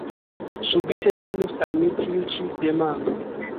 Subite venis al mi tiu ĉi demando.